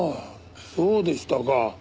そうでしたか。